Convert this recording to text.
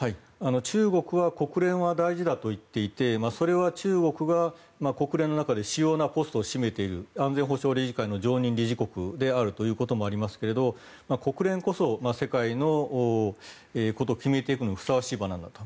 中国は国連は大事だと言っていてそれは中国が国連の中で主要なポストを占めている安全保障理事会の常任理事国ですが国連こそ世界のことを決めていくのにふさわしい場なんだと。